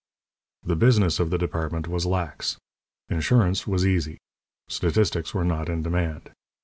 The business of the department was lax. Insurance was easy. Statistics were not in demand.